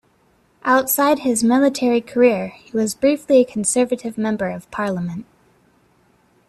Outside his military career he was briefly a Conservative Member of Parliament.